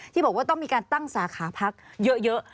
ที่บอกว่าต้องมีการตั้งสาขาพักเยอะ